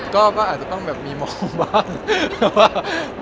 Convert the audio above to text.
ก็อาจจะต้องแบบมีมองบ้าง